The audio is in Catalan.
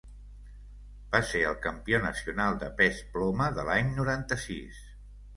Va ser el campió nacional de pes ploma de l'any noranta-sis.